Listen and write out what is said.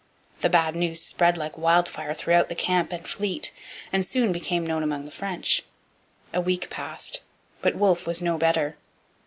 The bad news spread like wildfire through the camp and fleet, and soon became known among the French. A week passed; but Wolfe was no better.